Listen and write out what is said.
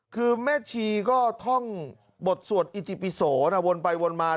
คือแม่ชีก็ท่องบทสวดอิติปิโสนะวนไปวนมา